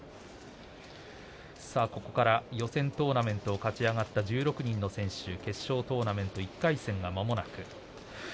ここから予選トーナメントを勝ち上がった１６人の選手決勝トーナメント１回戦がまもなく。